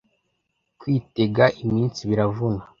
Kwitega iminsi biravuna